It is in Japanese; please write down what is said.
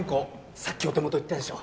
さっきお手元いったでしょ？